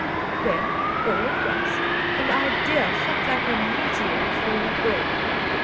Then, all at once, an idea shot like a meteor through her brain.